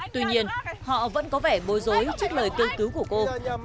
tuy nhiên họ vẫn có vẻ bối rối trước lời kêu cứu của cô